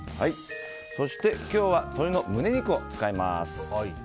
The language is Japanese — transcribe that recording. そして今日は鶏の胸肉を使います。